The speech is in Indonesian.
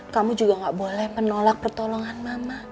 kamu juga gak boleh menolak pertolongan mama